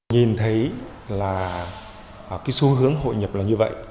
nhìn thấy là cái xu hướng hội nhập là như vậy